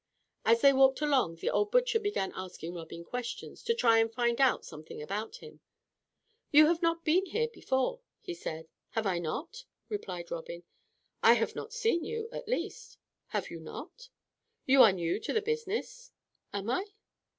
As they walked along, the old butcher began asking Robin questions, to try and find out something about him. "You have not been here before?" he said. "Have I not?" replied Robin. "I have not seen you, at least." "Have you not?" "You are new to the business?" "Am I?"